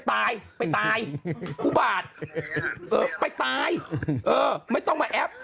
ตายไปตายอุบาทเออไปตายเออไม่ต้องมาแอป